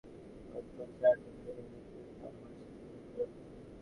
গত চারদিন ধরে দিনরাত পুলিশ আমার বাসার দিকে লক্ষ রাখছে।